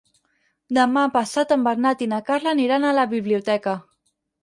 Demà passat en Bernat i na Carla aniran a la biblioteca.